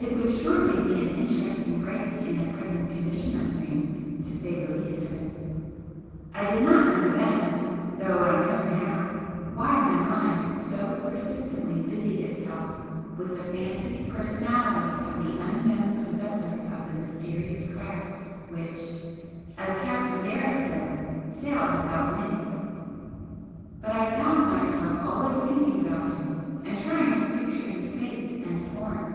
It would surely be an interesting break in the present condition of things, to say the least of it. I did not know then (though I know now) why my mind so persistently busied itself with the fancied personality of the unknown possessor of the mysterious craft which, as Captain Derrick said, 'sailed without wind,' but I found myself always thinking about him and trying to picture his face and form.